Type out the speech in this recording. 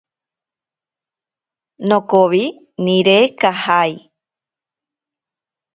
Nokowi nire kajae.